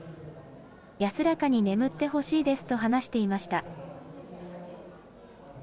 安らかに眠ってほしいですと話していました。